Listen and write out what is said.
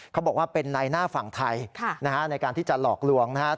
เขาบอกว่าเป็นในหน้าฝั่งไทยในการที่จะหลอกลวงนะครับ